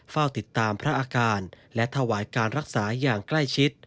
เฝ้าติดตามพระอาการและถวายการรักษาอย่างใกล้ชิด